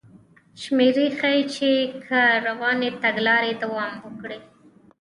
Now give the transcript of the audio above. شمېرې ښيي چې که روانې تګلارې دوام وکړي